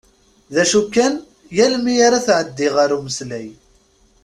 D acu kan yal mi ara tɛeddi ɣer umeslay.